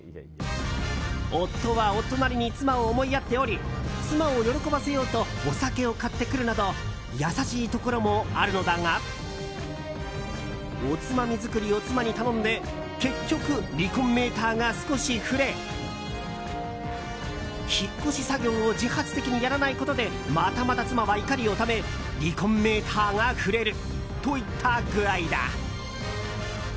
夫は夫なりに妻を思いやっており妻を喜ばせようとお酒を買ってくるなど優しいところもあるのだがおつまみ作りを妻に頼んで結局、離婚メーターが少し振れ引っ越し作業を自発的にやらないことでまたまた妻は怒りをため離婚メーターが振れるといった具合だ。